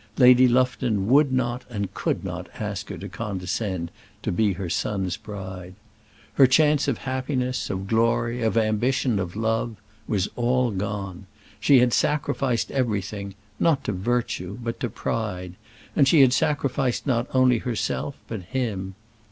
Lady Lufton would not and could not ask her to condescend to be her son's bride. Her chance of happiness, of glory, of ambition, of love, was all gone. She had sacrificed everything, not to virtue, but to pride; and she had sacrificed not only herself, but him.